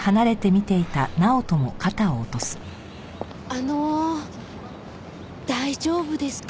あの大丈夫ですか？